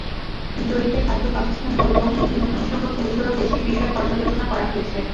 জরিপে খাদ্য, বাসস্থান, পরিবহন, বিনোদনসহ দুই শরও বেশি বিষয় পর্যালোচনা করা হয়েছে।